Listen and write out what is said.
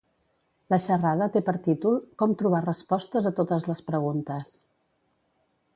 La xerrada té per títol "Com trobar respostes a totes les preguntes".